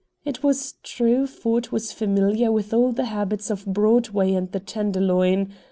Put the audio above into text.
It was true Ford was familiar with all the habits of Broadway and the Tenderloin.